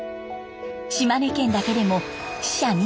島根県だけでも死者２６人。